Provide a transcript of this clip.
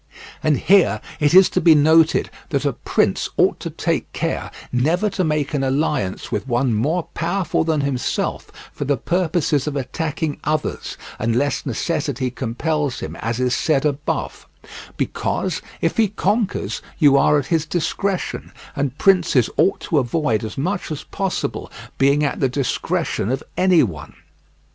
And here it is to be noted that a prince ought to take care never to make an alliance with one more powerful than himself for the purposes of attacking others, unless necessity compels him, as is said above; because if he conquers you are at his discretion, and princes ought to avoid as much as possible being at the discretion of any one.